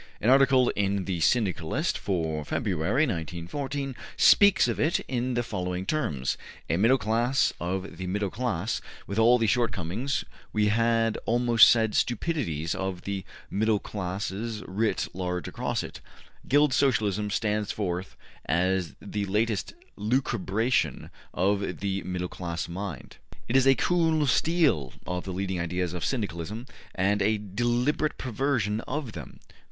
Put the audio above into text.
An article in ``The Syndicalist'' for February, 1914, speaks of it in the following terms: a Middle class of the middle class, with all the shortcomings (we had almost said `stupidities') of the middle classes writ large across it, `Guild Socialism' stands forth as the latest lucubration of the middle class mind. It is a `cool steal' of the leading ideas of Syndicalism and a deliberate perversion of them.